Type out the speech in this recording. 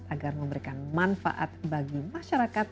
agar memberikan manfaat bagi masyarakat